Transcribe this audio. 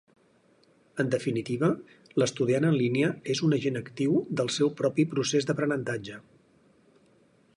En definitiva, l'estudiant en línia és un agent actiu del seu propi procés d'aprenentatge.